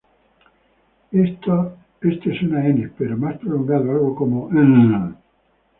Este suena "n" pero más prolongada, algo como "hn".